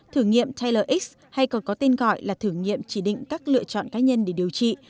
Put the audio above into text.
thử nghiệm taylor x hay còn có tên gọi là thử nghiệm chỉ định các lựa chọn cá nhân để điều trị